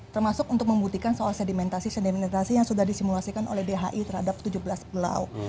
termasuk untuk membuktikan soal sedimentasi sedimentasi yang sudah disimulasikan oleh bhi terhadap tujuh belas pulau